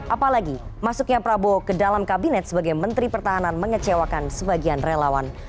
apalagi masuknya prabowo ke dalam kabinet sebagai menteri pertahanan mengecewakan sebagian relawan